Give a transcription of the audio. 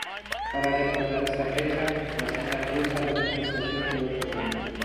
Para recordar esa fecha, la Santa Cruz sale en procesión todos los años.